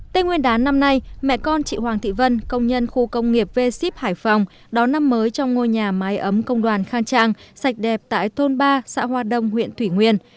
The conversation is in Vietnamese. tây nguyên đán năm nay mẹ con chị hoàng thị vân công nhân khu công nghiệp v ship hải phòng đón năm mới trong ngôi nhà mái ấm công đoàn khang trang sạch đẹp tại thôn ba xã hoa đông huyện thủy nguyên